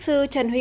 xin mời trần huỳnh